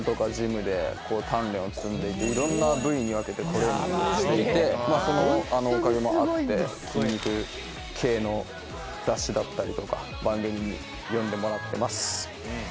いろんな部位に分けてトレーニングをしていてそのおかげもあって筋肉系の雑誌だったりとか番組に呼んでもらってます。